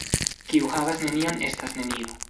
Kiu havas nenion, estas nenio.